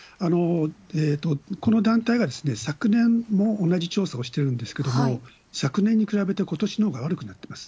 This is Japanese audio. この団体が昨年も同じ調査をしてるんですけれども、昨年に比べてことしのほうが悪くなってます。